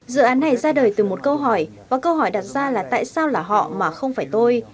dự án này ra đời từ một câu hỏi và câu hỏi đặt ra là tại sao là họ mà không phải tôi